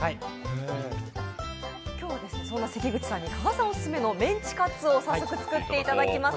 今日はそんな関口さんに加賀さんオススメのメンチカツを早速、作っていただきます。